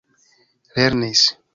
lernis